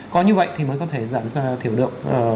có như vậy thì mới có thể giảm thiểu được